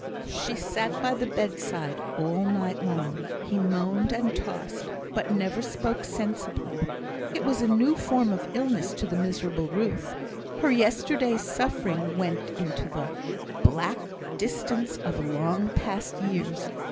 She sat by the bedside all night long. He moaned and tossed, but never spoke sensibly. It was a new form of illness to the miserable Ruth. Her yesterday's suffering went into the black distance of long past years.